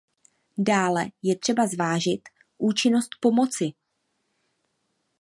Dále je třeba zvážit účinnost pomoci.